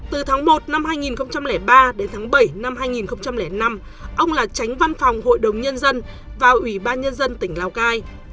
từ tháng một năm hai nghìn ba đến tháng bảy năm hai nghìn năm ông là tránh văn phòng hội đồng nhân dân và ủy ban nhân dân tỉnh lào cai